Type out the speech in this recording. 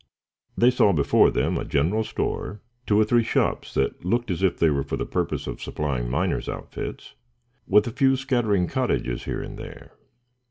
They saw before them a general store, two or three shops that looked as if they were for the purpose of supplying miners' outfits, with a few scattering cottages here and there.